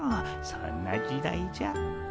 そんな時代じゃ。